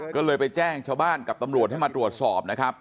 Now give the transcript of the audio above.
ก็เลยไปแจ้งชาวบ้านกับตำรวจให้มาตรวจสอบนะครับ